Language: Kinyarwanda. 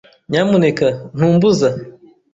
Nyamuneka ntumbuza.